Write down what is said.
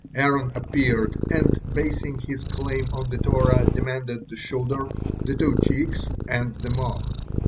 Aaron appeared, and, basing his claim on the Torah, demanded the shoulder, the two cheeks, and the maw.